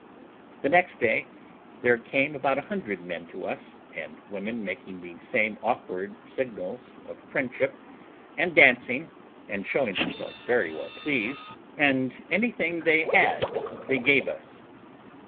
The next day there came about a hundred men to us, and women making the same awkward signals of friendship, and dancing, and showing themselves very well pleased, and anything they had they gave us.